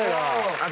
あと。